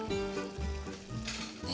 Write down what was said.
ね